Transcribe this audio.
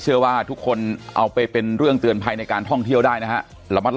เชิญมาคุยเรื่องท่องเที่ยวใหม่